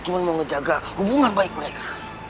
cuma mau ngejaga hubungan baik mereka